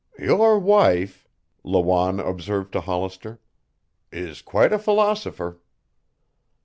"Your wife," Lawanne observed to Hollister, "is quite a philosopher."